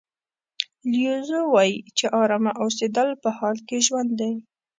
لیو زو وایي چې ارامه اوسېدل په حال کې ژوند دی.